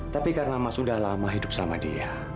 tapi karena mas sudah lama hidup sama dia